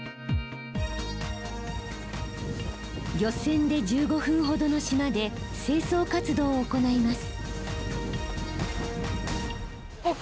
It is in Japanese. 漁船で１５分ほどの島で清掃活動を行います。